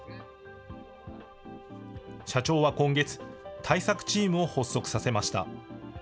社長は今月、対策チームを発足させました。